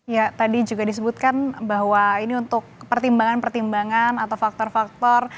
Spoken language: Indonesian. ya tadi juga disebutkan bahwa ini untuk pertimbangan pertimbangan atau faktor faktor